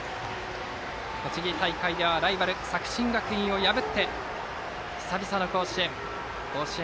栃木大会ではライバルの作新学院を破って久々の甲子園。